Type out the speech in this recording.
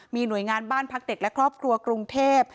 มีหน่วยงานบ้านพักเด็กและครอบครัวกรุงเทพ